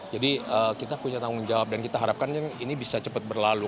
jadi kita punya tanggung jawab dan kita harapkan ini bisa cepat berlalu